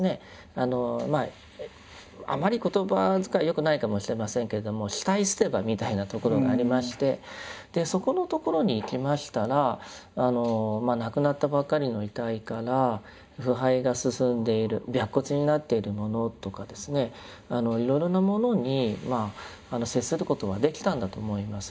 あまり言葉遣いはよくないかもしれませんけれども死体捨て場みたいな所がありましてそこの所に行きましたら亡くなったばっかりの遺体から腐敗が進んでいる白骨になっているものとかですねいろいろなものに接することができたんだと思います。